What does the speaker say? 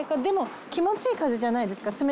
でも気持ちいい風じゃないですか？